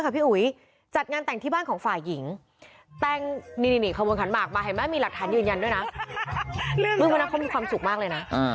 ก็เลยตัดสินใจแต่งงานกันด้วยค่ะพี่อุ๊ย